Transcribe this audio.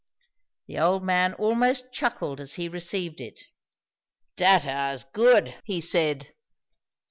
The old man almost chuckled as he received it. "Dat ar's good!" he said.